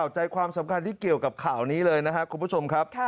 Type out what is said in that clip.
ใจความสำคัญที่เกี่ยวกับข่าวนี้เลยนะครับคุณผู้ชมครับ